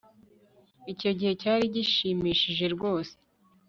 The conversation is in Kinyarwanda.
icyo gihe cyari gishimishije rwose